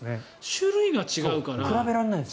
種類が違うから。